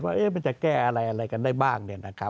ว่ามันจะแก้อะไรกันได้บ้าง